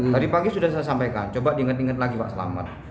tadi pagi sudah saya sampaikan coba diingat ingat lagi pak selamat